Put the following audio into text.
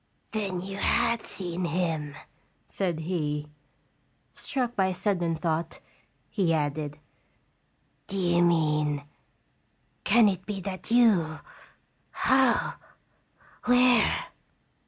" Then you had seen him," said he. Struck by a sudden thought, he added: "Do you mean can it be that you how where?"